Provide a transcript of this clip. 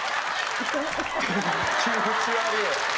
気持ち悪い！